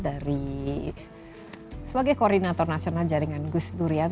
dari sebagai koordinator nasional jaringan gus durian